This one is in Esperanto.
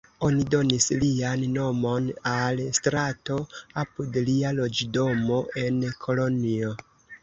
Oni donis lian nomon al strato apud lia loĝdomo en Kolonjo.